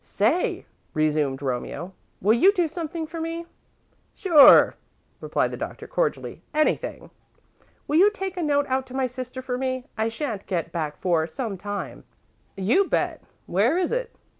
"Say," resumed Romeo, "will you do something for me?" "Sure," replied the Doctor, cordially. "Anything." "Will you take a note out to my sister for me? I shan't get back for some time." "You bet. Where is it?"